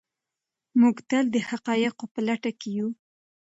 موږ تل د حقایقو په لټه کې یو.